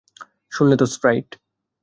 শুনলে তো, স্প্রাইট?